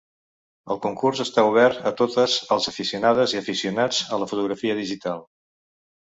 El concurs està obert a totes els aficionades i aficionats a la fotografia digital.